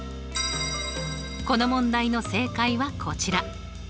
この問題の正解はこちら。